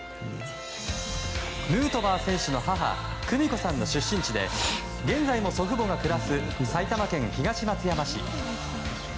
ヌートバー選手の母久美子さんの出身地で現在も祖父母が暮らす埼玉県東松山市。